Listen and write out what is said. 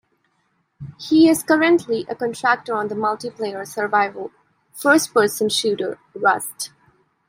He is currently a contractor on the multiplayer survival first-person shooter "Rust".